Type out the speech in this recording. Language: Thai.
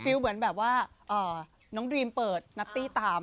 เหมือนแบบว่าน้องดรีมเปิดนัตตี้ตาม